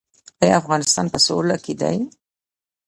آیا افغانستان په سوله کې دی؟